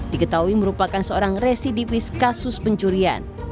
diketahui merupakan seorang residivis kasus pencurian